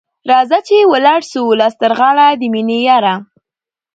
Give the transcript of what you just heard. راځه چي ولاړ سو لاس تر غاړه ، د میني یاره